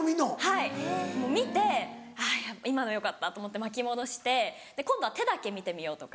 はいもう見て「あぁ今のよかった」と思って巻き戻して今度は手だけ見てみようとか。